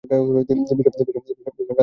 ভীষণ রাগ করে আছিস, তাইনা?